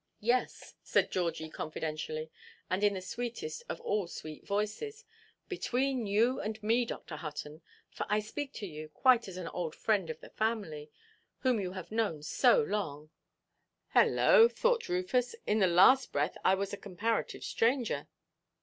"Yes," said Georgie, confidentially, and in the sweetest of all sweet voices, "between you and me, Dr. Hutton, for I speak to you quite as to an old friend of the family, whom you have known so long"—("Holloa," thought Rufus, "in the last breath I was a 'comparative stranger!